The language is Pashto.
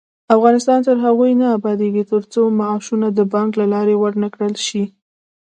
افغانستان تر هغو نه ابادیږي، ترڅو معاشونه د بانک له لارې ورنکړل شي.